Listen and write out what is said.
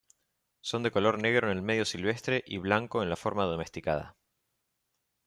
Son de color negro en el medio silvestre y blanco en la forma domesticada.